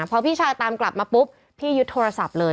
พอพี่ชายตามกลับมาปุ๊บพี่ยึดโทรศัพท์เลย